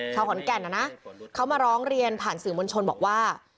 ขอนแก่นนะนะเขามาร้องเรียนผ่านสื่อมวลชนบอกว่า